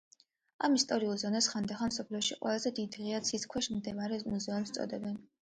ამ ისტორიული ზონას ხანდახან მსოფლიოში ყველაზე დიდ ღია ცის ქვეშ მდებარე მუზეუმს უწოდებენ.